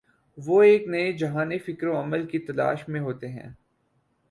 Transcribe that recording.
وہ ایک نئے جہان فکر و عمل کی تلاش میں ہوتے ہیں۔